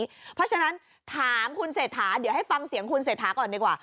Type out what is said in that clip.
เพราะฉะนั้นถามคุณเศรษฐาเดี๋ยวให้ฟังเสียงคุณเศรษฐาก่อนดีกว่า